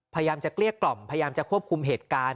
พยายามจะเกลี้ยกล่อมพยายามจะควบคุมเหตุการณ์